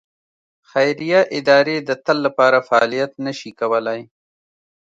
خیریه ادارې د تل لپاره فعالیت نه شي کولای.